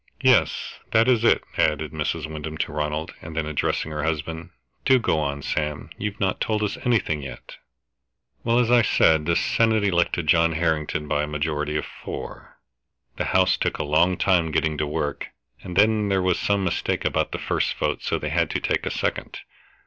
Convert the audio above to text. "Yes, that is it," added Mrs. Wyndham to Ronald, and then addressing her husband, "Do go on, Sam; you've not told us anything yet." "Well, as I said, the Senate elected John Harrington by a majority of four. The House took a long time getting to work, and then there was some mistake about the first vote, so they had to take a second.